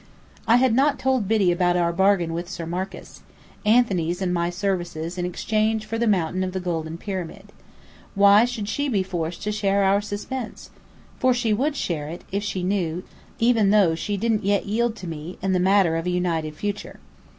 I had not told Biddy about our bargain with Sir Marcus: Anthony's and my services in exchange for the Mountain of the Golden Pyramid. Why should she be forced to share our suspense? For she would share it, if she knew, even though she didn't yet yield to me, in the matter of a united future.